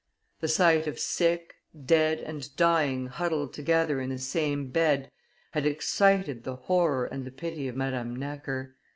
The sight of sick, dead, and dying huddled together in the same bed had excited the horror and the pity of Madame Necker.